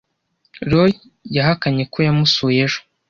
Roy yahakanye ko yamusuye ejo.